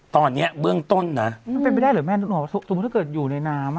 ตอนนี้เบื้องต้นนะมันเป็นไปได้เหรอแม่นึกออกสมมุติถ้าเกิดอยู่ในน้ำอ่ะ